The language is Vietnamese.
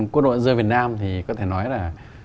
quân đội dân việt nam có thể nói là